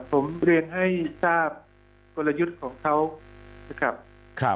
ผมเรียนให้ทราบกลยุทธ์ของเขานะครับ